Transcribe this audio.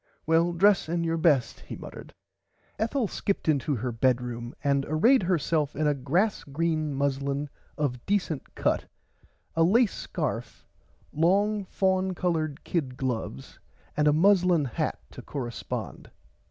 Well dress in your best he muttered. Ethel skipped into her bedroom and arrayd herself in a grass green muslin of decent cut a lace scarf long faun colored kid gloves and a muslin hat to correspond.